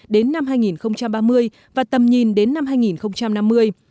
đến năm hai nghìn ba mươi và tầm nhìn đến năm hai nghìn năm mươi